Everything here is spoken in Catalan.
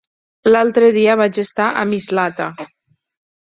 L'altre dia vaig estar a Mislata.